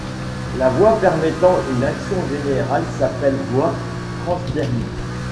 La voie permettant une action générale s'appelle voie transdermique.